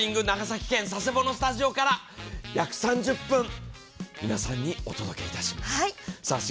長崎県佐世保のスタジオから約３０分、皆さんにお届けします。